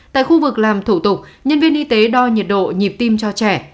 tại khu vực làm thủ tục nhân viên y tế đo nhiệt độ nhịp tim cho trẻ